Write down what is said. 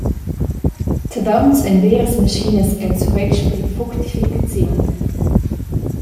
Tavauns ein veras maschinas el survetsch per la fructificaziun.